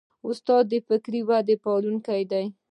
استاد د فکري ودې پالونکی دی.